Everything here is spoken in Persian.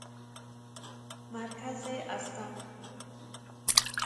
مرکز استان